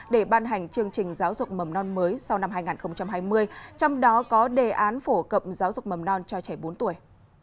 để ban hành chương trình giáo dục mầm non mới sau năm hai nghìn hai mươi trong đó có đề án phổ cập giáo dục mầm non cho trẻ bốn tuổi